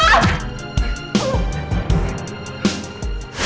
aku kasih ini buat andien